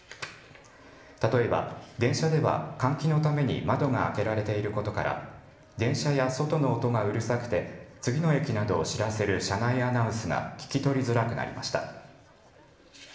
例えば電車では換気のために窓が開けられていることから電車や外の音がうるさくて次の駅などを知らせる車内アナウンスが聞き取りづらくなりました。